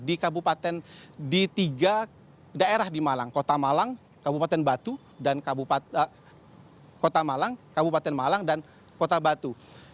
di kabupaten di tiga daerah di malang kota malang kabupaten batu dan kota batu